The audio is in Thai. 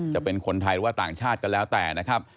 จะเป็นคนไทยหรือว่าต่างชาติก็แล้วแต่นะครับ